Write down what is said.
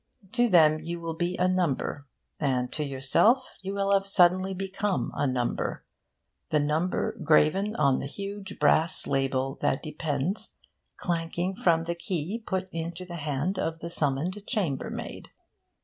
To them you will be a number, and to yourself you will have suddenly become a number the number graven on the huge brass label that depends clanking from the key put into the hand of the summoned chambermaid.